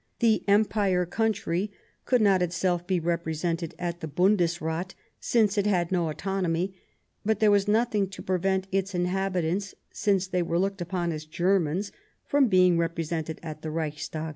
The " Empire Country " could not itself be represented at the Bundesrat, since it had no autonomy ; but there was nothing to prevent its inhabitants, since they were looked upon as Germans, from being represented at the Reichstag.